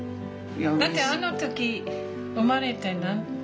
だってあの時生まれて。